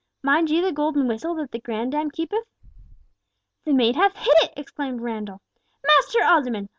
Mind you the golden whistle that the grandame keepeth?" "The maid hath hit it!" exclaimed Randall. "Master alderman!